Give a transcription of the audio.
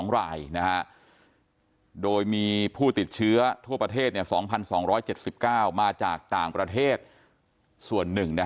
๒รายโดยมีผู้ติดเชื้อทั่วประเทศ๒๒๗๙มาจากต่างประเทศส่วน๑